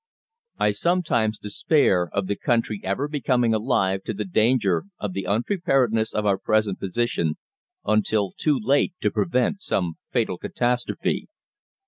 "I sometimes despair of the country ever becoming alive to the danger of the unpreparedness of our present position until too late to prevent some fatal catastrophe."